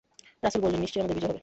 রাসূল বললেন, নিশ্চয় আমাদের বিজয় হবে।